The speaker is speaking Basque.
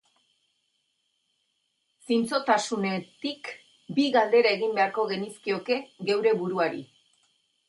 Zintzotasunetik, bi galdera egin beharko genizkioke geure buruari.